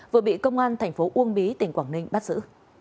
vừa bị công an thành phố uông bí tỉnh quảng ninh bắt giữ